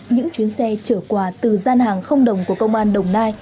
những chuyến xe trở quà từ gian hàng không đồng của công an đồng nai